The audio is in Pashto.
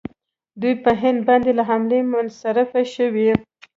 دوی په هند باندې له حملې منصرفې شوې.